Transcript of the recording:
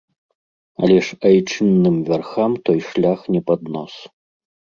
Але ж айчынным вярхам той шлях не пад нос.